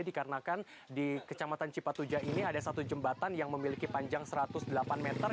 dikarenakan di kecamatan cipatuja ini ada satu jembatan yang memiliki panjang satu ratus delapan meter